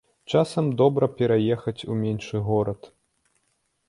Часам добра пераехаць у меншы горад.